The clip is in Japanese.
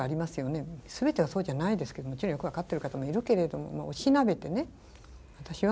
全てがそうじゃないですけどもちろんよく分かってる方もいるけれどおしなべてね私は。